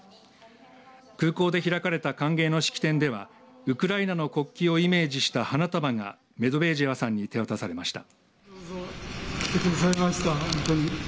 空港で開かれた歓迎の式典ではウクライナの国旗をイメージした花束がメドベージェワさんに手渡されました。